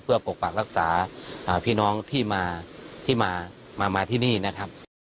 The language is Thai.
เพื่อปกปักรักษาพี่น้องที่มาที่มาที่นี่นะครับ